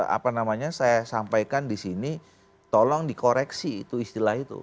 apa namanya saya sampaikan di sini tolong dikoreksi itu istilah itu